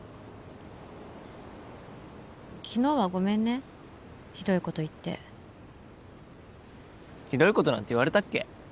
昨日はごめんねひどいこと言ってひどいことなんて言われたっけ？